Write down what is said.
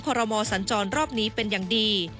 รมอสัญจรรอบนี้เป็นอย่างดี